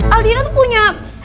aldino tuh punya